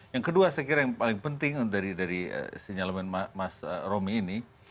yang kedua saya kira yang paling penting dari sinyalemen mas romi ini